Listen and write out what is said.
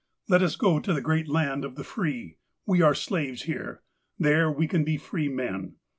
'' Let us go to the great laud of the free. 'We are slaves here. There we can be free men.